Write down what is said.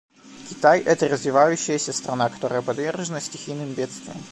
Китай — это развивающаяся страна, которая подвержена стихийным бедствиям.